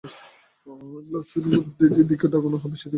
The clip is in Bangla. গ্লাসের মধ্য দিয়ে যেদিকে তাকানো হবে, সেটি সম্পর্কে তথ্য প্রদর্শন করা হয়।